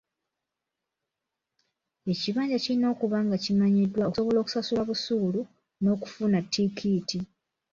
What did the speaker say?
Ekibanja kiyina okuba nga kimanyiddwa okusobola okusasula busuulu n'okufuna ttikiti.